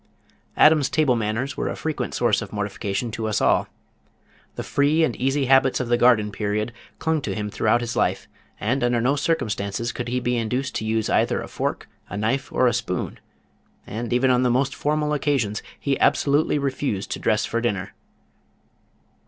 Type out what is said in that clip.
Adam's table manners were a frequent source of mortification to us all. The free and easy habits of the Garden period clung to him throughout his life, and under no circumstances could he be induced to use either a fork, a knife or a spoon, and even on the most formal occasions he absolutely refused to dress for dinner.